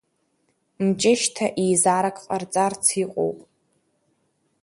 Мҷышьҭа еизарак ҟарҵарц иҟоуп.